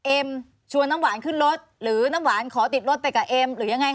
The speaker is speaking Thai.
เอ็มชวนน้ำหวานขึ้นรถหรือน้ำหวานขอติดรถไปกับเอ็มหรือยังไงค